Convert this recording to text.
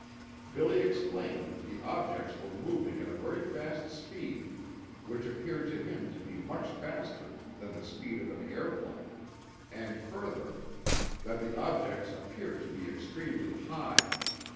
BILLY explained that the objects were moving at a very fast speed which appeared to him to be much faster than the speed of an airplane, and further, that the objects appeared to be extremely high.